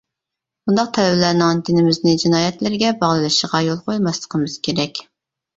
بۇنداق تەلۋىلەرنىڭ دىنىمىزنى جىنايەتلىرىگە باغلىۋېلىشىغا يول قويماسلىقىمىز كېرەك.